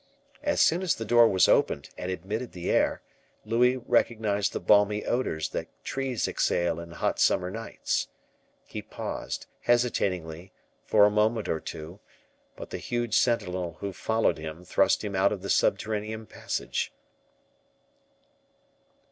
As soon as the door was opened and admitted the air, Louis recognized the balmy odors that trees exhale in hot summer nights. He paused, hesitatingly, for a moment or two; but the huge sentinel who followed him thrust him out of the subterranean passage.